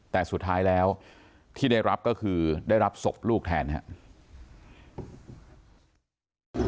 แต่สุดท้ายแล้วที่ได้รับก็คือได้รับศพลูกแทนครับ